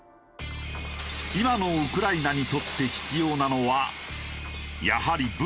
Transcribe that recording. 今のウクライナにとって必要なのはやはり武器なのか？